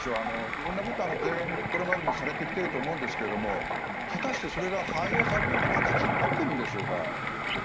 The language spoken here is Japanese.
色んな提言をこれまでもしてきていると思うんですが果たして、それが反映されるような形になってるんでしょうか？